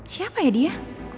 siapa ya dia